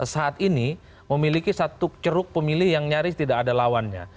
saat ini memiliki satu ceruk pemilih yang nyaris tidak ada lawannya